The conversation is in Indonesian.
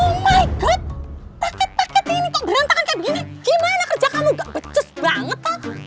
oh my god paket paket ini kok berantakan kayak gini gimana kerja kamu gak becus banget